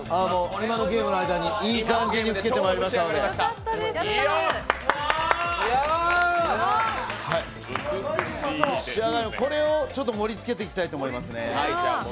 今のゲームの間にいい感じにふけてきましたので仕上げに、これを盛りつけてまいりたいと思いますね。